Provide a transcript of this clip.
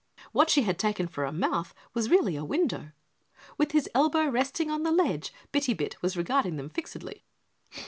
What she had taken for a mouth was really a window. With his elbow resting on the ledge, Bitty Bit was regarding them fixedly.